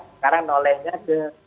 sekarang nolehnya ke